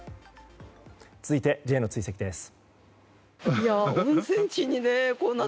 続いてＪの追跡です。